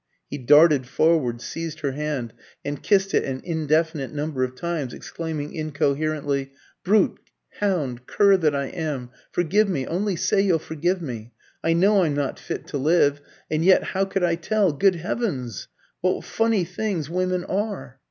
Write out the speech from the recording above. He darted forward, seized her hand, and kissed it an indefinite number of times, exclaiming incoherently "Brute, hound, cur that I am! Forgive me only say you'll forgive me! I know I'm not fit to live! And yet, how could I tell? Good heavens! what funny things women are?"